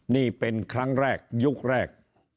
นี่เป็นครั้งแรกยุคแรก